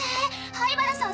⁉灰原さん